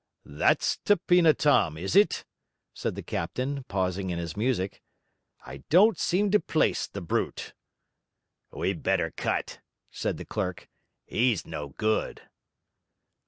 'That's Tapena Tom, is it?' said the captain, pausing in his music. 'I don't seem to place the brute.' 'We'd better cut,' said the clerk. ''E's no good.'